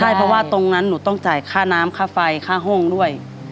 ใช่เพราะว่าตรงนั้นหนูต้องจ่ายค่าน้ำค่าไฟค่าห้องด้วย